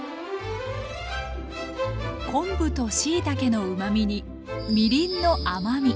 昆布としいたけのうまみにみりんの甘み。